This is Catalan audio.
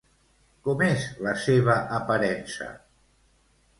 Com és la seva aparença?